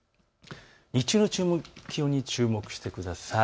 日中の気温に注目してください。